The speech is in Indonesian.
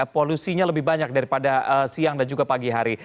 polusinya lebih banyak daripada siang dan juga pagi hari